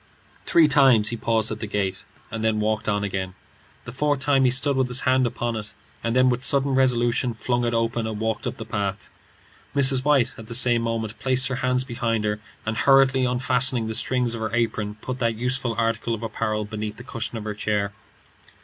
Three times he paused at the gate, and then walked on again. The fourth time he stood with his hand upon it, and then with sudden resolution flung it open and walked up the path. Mrs. White at the same moment placed her hands behind her, and hurriedly unfastening the strings of her apron, put that useful article of apparel beneath the cushion of her chair.